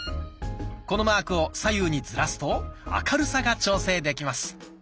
このマークを左右にずらすと明るさが調整できます。